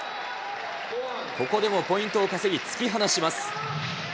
ここでもポイントを稼ぎ、突き放します。